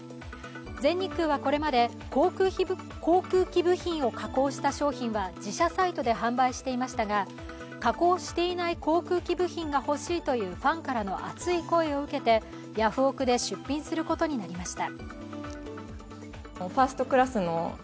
全日空はこれまで航空機部品を加工した商品は自社サイトで販売していましたが、加工していない航空機部品が欲しいというファンからの熱い声を受けてヤフオク！で出品することになりました。